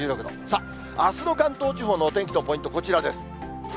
さあ、あすの関東地方のお天気のポイント、こちらです。